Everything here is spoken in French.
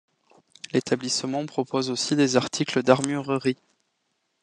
L’établissement propose aussi des articles d’armurerie.